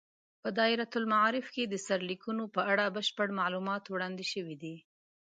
په دایرة المعارف کې د سرلیکونو په اړه بشپړ معلومات وړاندې شوي دي.